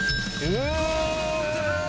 うわ！